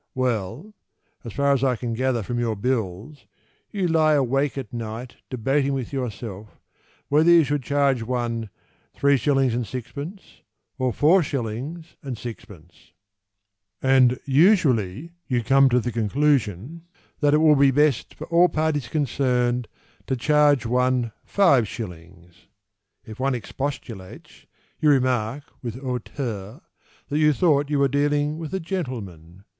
Well, So far as I can gather from your bills, You lie awake at night Debating with yourself Whether you should charge one 3s. 6d. or 4s. 6d. And you usually come to the conclusion That it will be best For all parties concerned To charge one 5s. If one expostulates, You remark With hauteur That you thought you were dealing with a gentleman.